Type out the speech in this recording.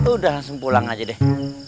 udah langsung pulang aja deh